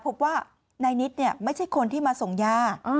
พบว่านายนิดไม่ใช่คนที่มาส่งยา